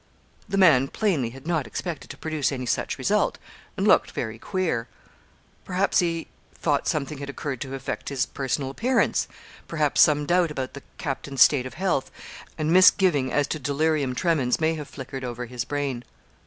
The man plainly had not expected to produce any such result, and looked very queer. Perhaps he thought something had occurred to affect his personal appearance; perhaps some doubt about the captain's state of health, and misgiving as to delirium tremens may have flickered over his brain.